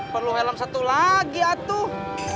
perlu helm satu lagi atuh